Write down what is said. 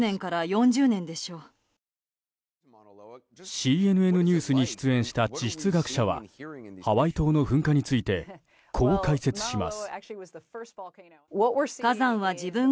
ＣＮＮニュースに出演した地質学者はハワイ島の噴火についてこう解説します。